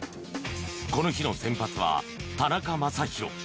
この日の先発は田中将大。